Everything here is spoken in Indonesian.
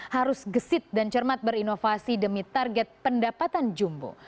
harus gesit dan cermat berinovasi demi target pendapatan jumbo